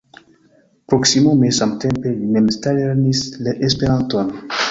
Proksimume samtempe li memstare lernis Esperanton.